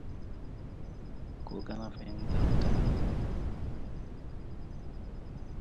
Ya amince da abinda suka ce.